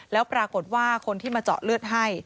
แล้วปรากฏว่าคนที่มาเจาะเลือดให้